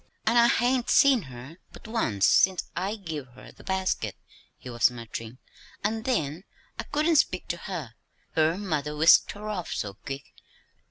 "An' I hain't seen her but once since I give her the basket," he was muttering; "an' then I couldn't speak to her her mother whisked her off so quick.